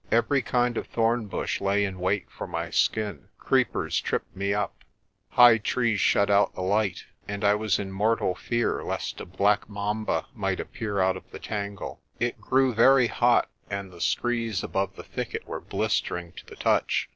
Every kind of thorn bush lay in wait for my skin, creepers tripped me up, high trees shut out the light, and I was in mortal fear lest a black mamba might appear out of the tangle. It grew very hot, and the screes above the thicket were blistering to the touch.